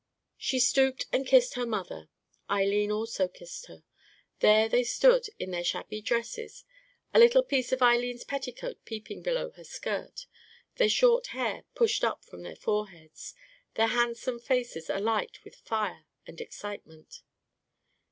She stooped and kissed her mother. Eileen also kissed her. There they stood in their shabby dresses, a little piece of Eileen's petticoat peeping below her skirt, their short hair pushed up from their foreheads, their handsome faces alight with fire and excitement.